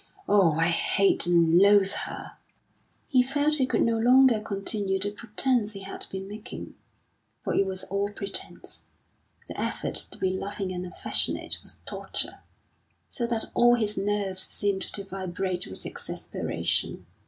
"Oh, I hate and loathe her!" He felt he could no longer continue the pretence he had been making for it was all pretence. The effort to be loving and affectionate was torture, so that all his nerves seemed to vibrate with exasperation.